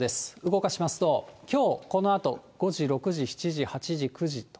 動かしますと、きょうこのあと、５時、６時、７時、８時、９時。